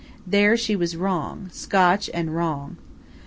There she was wrong Scotch and wrong.